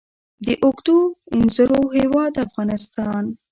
د اوږدو انځرو هیواد افغانستان.